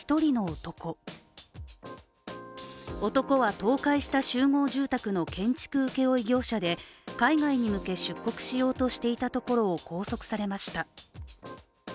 男は倒壊した集合住宅の建築請負業者で海外に向け出国しようとしていたところを拘束されました。